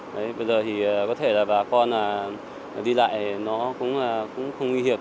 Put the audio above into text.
đấy bây giờ thì có thể là bà con đi lại nó cũng không nguy hiểm